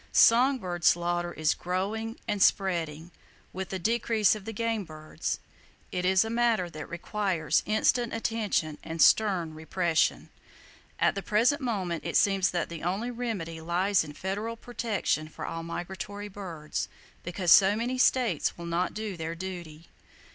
Song bird slaughter is growing and spreading, with the decrease of the game birds! It is a matter that requires instant attention and stern repression. At the present moment it seems that the only remedy lies in federal protection for all migratory birds,—because so many states will not do their duty.